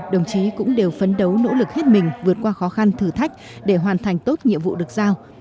đồng chí cũng đều phấn đấu nỗ lực hết mình vượt qua khó khăn thử thách để hoàn thành tốt nhiệm vụ được giao